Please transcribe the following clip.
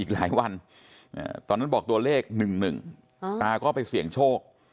หลายวันตอนนั้นบอกตัวเลข๑๑ตาก็ไปเสี่ยงโชค